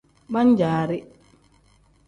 Pan-jaari.